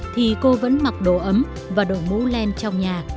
thì cô vẫn mặc đồ ấm và đội mũ len trong nhà